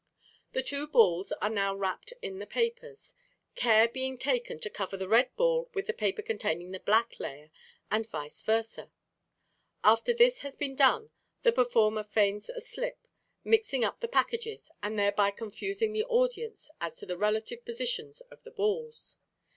The two balls are now wrapped in the papers, care being taken to cover the red ball with the paper containing the black layer, and vice versa. After this has been done, the performer feigns a slip, mixing up the packages, and thereby confusing the audience as to the relative positions of the balls.